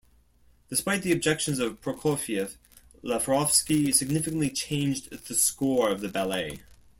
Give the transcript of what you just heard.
Despite the objections of Prokofiev, Lavrovsky significantly changed the score of the ballet.